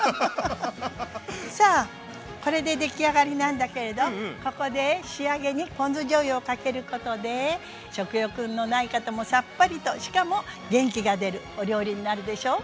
さあこれで出来上がりなんだけれどここで仕上げにポン酢しょうゆをかけることで食欲のない方もさっぱりとしかも元気が出るお料理になるでしょう？